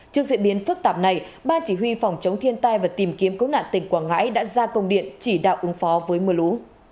trước diễn biến phức tạp này ban chỉ huy phòng chống thiên tai và tìm kiếm cứu nạn tỉnh quảng ngãi đã ra công điện chỉ đạo ứng phó với mưa lũ